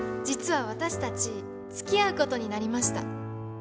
実は私たちつきあうことになりました。